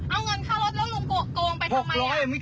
เอาเงินค่ารถแล้วลุงโกงไปทำไม